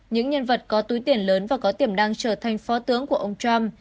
những nhân vật có túi tiền lớn và có tiềm năng trở thành phó tướng của ông trump